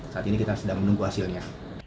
saat ini kita sedang menunggu hasilnya